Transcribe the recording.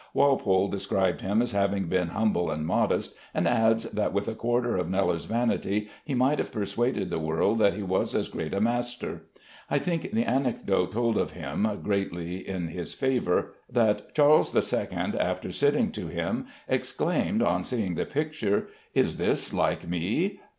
Walpole describes him as having been humble and modest, and adds that with a quarter of Kneller's vanity he might have persuaded the world that he was as great a master. I think the anecdote told of him greatly in his favor, that Charles II, after sitting to him, exclaimed, on seeing the picture, "Is this like me?